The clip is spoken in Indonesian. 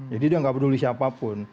jadi dia gak peduli siapapun